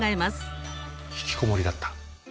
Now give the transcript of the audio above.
僕は引きこもりだった。